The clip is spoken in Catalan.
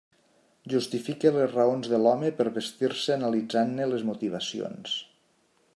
Justifica les raons de l'home per vestir-se analitzant-ne les motivacions.